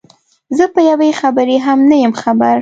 زه په یوې خبرې هم نه یم خبر.